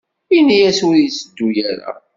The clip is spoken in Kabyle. Ini-as ur yetteddu ara.